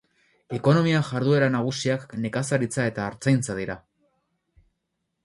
Ekonomia-jarduera nagusiak nekazaritza eta artzaintza dira.